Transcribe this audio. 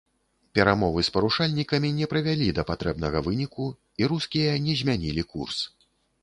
Перамовы з парушальнікамі не прывялі да патрэбнага выніку, і рускія не змянілі курс.